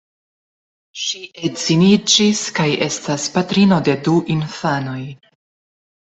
Ŝi edziniĝis kaj estas patrino de du infanoj.